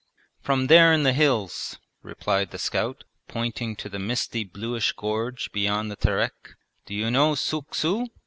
'From there in the hills,' replied the scout, pointing to the misty bluish gorge beyond the Terek. 'Do you know Suuk su?